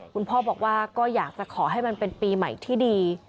คุณพ่อบอกว่าก็อยากจะขอให้มันเป็นปีใหม่ที่ดี